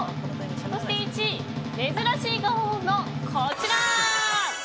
そして１位、珍しいが豊富のこちら！